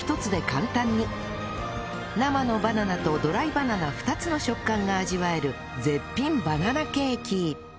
生のバナナとドライバナナ２つの食感が味わえる絶品バナナケーキ